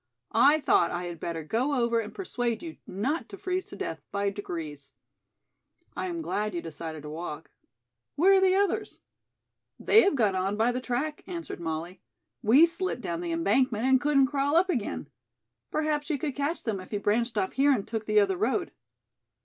I thought I had better go over and persuade you not to freeze to death by degrees. I am glad you decided to walk. Where are the others?" "They have gone on by the track," answered Molly. "We slipped down the embankment and couldn't crawl up again. Perhaps you could catch them, if you branched off here and took the other road."